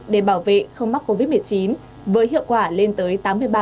để bảo vệ không mắc covid một mươi chín với hiệu quả lên tới tám mươi ba